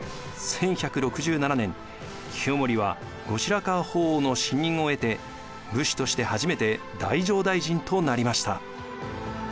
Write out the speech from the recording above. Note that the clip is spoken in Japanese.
１１６７年清盛は後白河法皇の信任を得て武士として初めて太政大臣となりました。